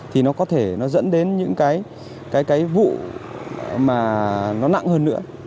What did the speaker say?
thì nó có thể nó dẫn đến những cái vụ mà nó nặng hơn nữa